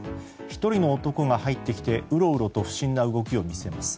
１人の男が入ってきてうろうろと不審な動きを見せます。